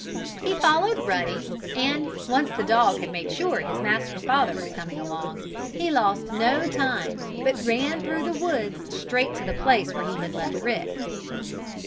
He followed Ruddy, and, once the dog had made sure his master's father was coming along, he lost no time, but ran through the woods, straight to the place where he had left Rick.